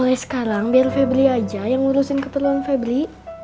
mulai sekarang biar febri aja yang ngurusin keperluan febri